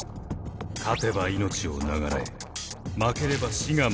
勝てば命を永らえ負ければ死が待っている。